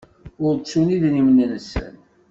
Ur ttun idrimen-nsen.